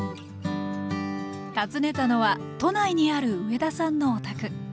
訪ねたのは都内にある上田さんのお宅。